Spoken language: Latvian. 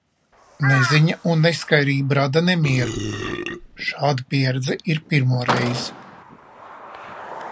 Neziņa un neskaidrība rada nemieru... Šāda pieredze ir pirmo reiz.